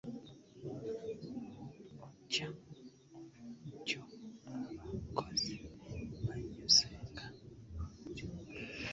Jjo abakozi bannyuse nga bukyali.